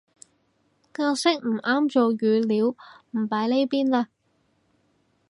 格式唔啱做語料唔擺呢邊嘞